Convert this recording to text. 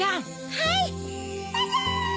はい。